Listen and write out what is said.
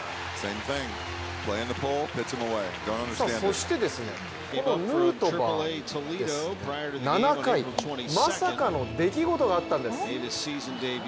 そして、このヌートバー７回、まさかの出来事があったんです。